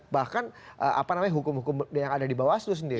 bahkan hukum hukum yang ada di bawaslu sendiri